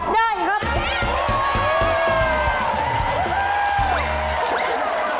ได้ไหม